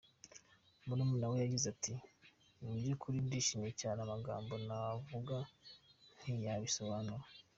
" Murumuna we yagize ati "Mu by’ukuri ndishimye cyane, amagambo navuga ntiyabisobanura.